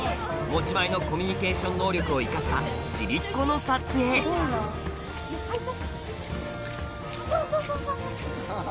持ち前のコミュニケーション能力を生かしたそうそうそう。